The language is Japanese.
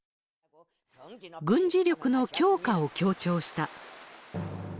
軍事力の強化を強調した。